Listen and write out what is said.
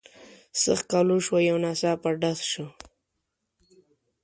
څه ښکالو شوه یو ناڅاپه ډز شو.